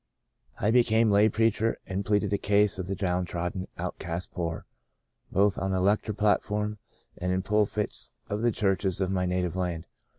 I became a lay preacher and pleaded the case of the downtrodden, outcast poor, both on the lecture platform and in the pulpits of the churches of my native land.